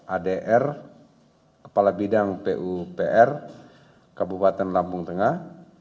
adr kepala bidang pupr kabupaten lampung tengah